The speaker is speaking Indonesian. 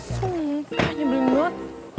sumpahnya belum not